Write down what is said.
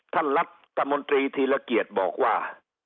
ท่านรัฐมนตรีธีรเกียจบอกว่า